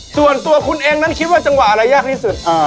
ส่วนตัวคุณเองนั้นคิดว่าจังหวะอะไรยากที่สุด